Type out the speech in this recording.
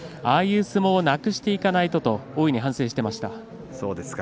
ああいう相撲をなくしていかないと、と反省していました。